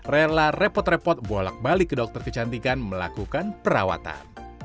rela repot repot bolak balik ke dokter kecantikan melakukan perawatan